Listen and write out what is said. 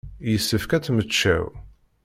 Yessefk ad temmecčaw.